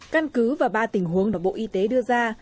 căn cứ và ba tình huống mà bộ y tế đưa ra